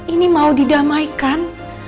ini mau didamaikan